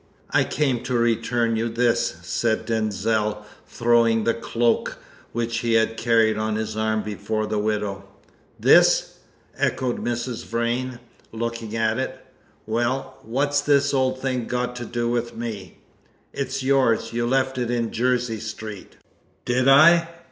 "I came to return you this," said Denzil, throwing the cloak which he had carried on his arm before the widow. "This?" echoed Mrs. Vrain, looking at it. "Well, what's this old thing got to do with me?" "It's yours; you left it in Jersey Street!" "Did I?